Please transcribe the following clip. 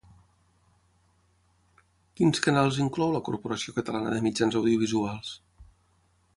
Quins canals inclou la Corporació Catalana de Mitjans Audiovisuals?